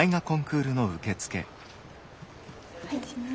お願いします。